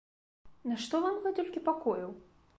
Нашто вам гэтулькі пакояў?